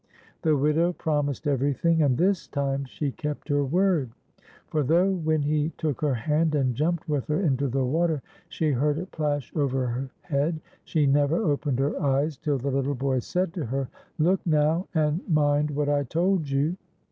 The widow promised everything, and this time she kept her word ; for though when he took her hand and jumped with her into the water she heard it plash over her head, she never opened her eyes till the little boy said to her, —" Look now, and mind what I told you."